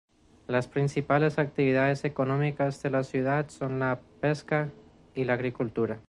Las principales actividades económicas de la ciudad son la pesca y la agricultura.